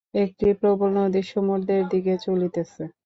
একটি প্রবল নদী সমুদ্রের দিকে চলিতেছে।